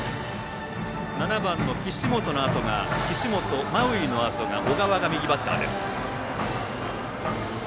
７番の岸本真生のあと小川が右バッターです。